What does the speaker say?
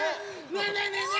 ねえねえねえね